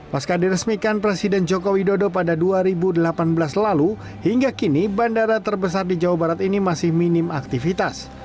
pasca diresmikan presiden joko widodo pada dua ribu delapan belas lalu hingga kini bandara terbesar di jawa barat ini masih minim aktivitas